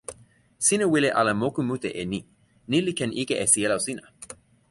sina wile ala moku mute e ni. ni li ken ike e sijelo sina.